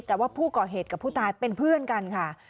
แต่ว่าผู้ก่อเหตุกับผู้ตายเป็นเพื่อนกันค่ะ